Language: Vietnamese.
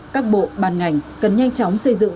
các bộ bàn ngành cần nhanh chóng xây dựng